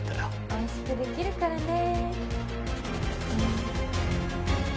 おいしくできるからね。